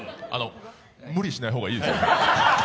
無理しない方がいいですよ。